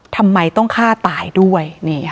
ทำไมต้องฆ่าตายด้วย